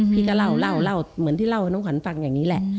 พี่ก็เล่าเล่าเหมือนที่เล่าให้น้องขวัญฟังอย่างนี้แหละ